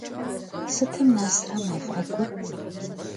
Sıtım nesre maf'egur?